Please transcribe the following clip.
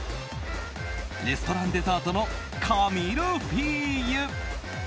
レストランデザートの神ルフィーユ。